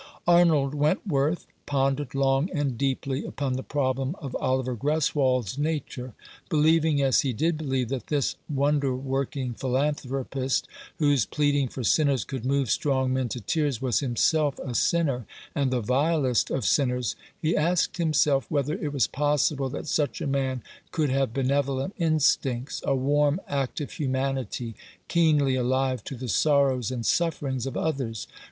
Arnold Wentworth pondered long and deeply upon the problem of Oliver Greswold's nature. Believing, as he did believe, that this wonder working philanthropist, whose pleading for sinners could move strong men to tears, was himself a sinner, and the vilest of sinners, he asked himself whether it was possible that such a man could have benevolent instincts, a warm, active humanity, keenly alive to the sorrows and sufferings of others.